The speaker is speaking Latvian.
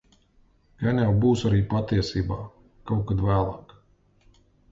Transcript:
Gan jau būs arī patiesībā. Kaut kad vēlāk.